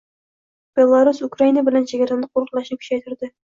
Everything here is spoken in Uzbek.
Belarus Ukraina bilan chegarani qo‘riqlashni kuchaytirdi